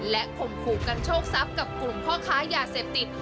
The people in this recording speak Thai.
และข่มขู่กันโชคทรัพย์กับกลุ่มพ่อค้ายาเสพติด